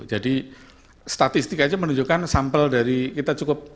jadi statistik aja menunjukkan sampel dari kita cukup